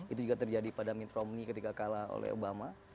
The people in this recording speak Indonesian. itu juga terjadi pada mitro mi ketika kalah oleh obama